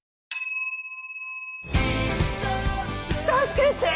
「助けて！」